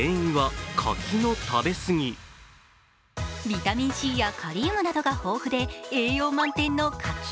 ビタミンＣやカリウムなどが豊富で栄養満点の柿。